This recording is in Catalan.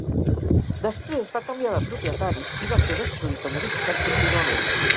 Després va canviar de propietaris, i va ser destruït o modificat contínuament.